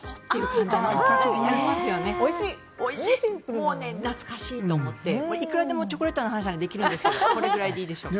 もう懐かしいと思っていくらでもチョコレートの話ならできるんですがこれぐらいでいいでしょうか。